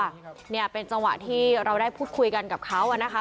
เนี่ยเป็นจังหวะที่เราได้พูดคุยกันกับเขาอ่ะนะคะ